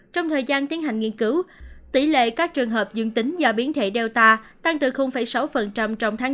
trong thời gian tiến hành nghiên cứu tỷ lệ các trường hợp dương tính do biến thể delta tăng từ sáu trong tháng bốn lên gần tám mươi bảy vào tháng bảy